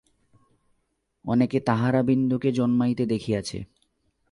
অনেকে তাহারা বিন্দুকে জন্মাইতে দেখিয়াছে।